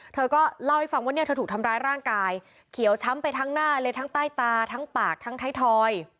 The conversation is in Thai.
เธอก็เล่าให้ฟังว่าเนี่ยเธอถูกทำร้ายร่างกายเขียวช้ำไปทั้งหน้าเลยทั้งใต้ตาทั้งปากทั้งไทยทอย